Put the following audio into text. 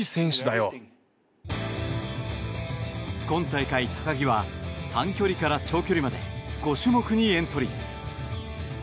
今大会、高木は短距離から長距離まで５種目にエントリー。